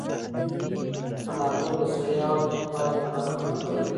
انارګل د سړې هوا تریخوالی په نره تېراوه.